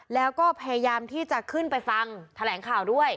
แล้วก็พยายามที่จะขึ้นไปฟังแถลงข่าวด้วย